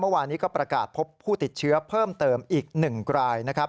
เมื่อวานนี้ก็ประกาศพบผู้ติดเชื้อเพิ่มเติมอีก๑รายนะครับ